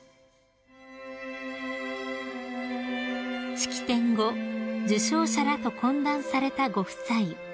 ［式典後受賞者らと懇談されたご夫妻］